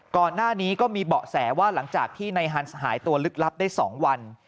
ก่อนหน้านี้ก็มีเบาะแสว่าหลังจากที่นายฮันส์หายตัวลึกลับได้๒วัน